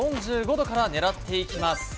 ４５度から狙っていきます。